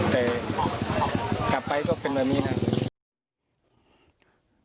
แต่กลับไปก็เป็นแบบนี้นะครับ